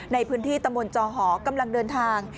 ในพื้นที่ตำบลจอหอกำลังเดินทาง